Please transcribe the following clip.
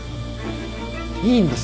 いいんです。